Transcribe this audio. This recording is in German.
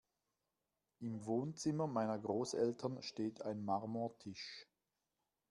Im Wohnzimmer meiner Großeltern steht ein Marmortisch.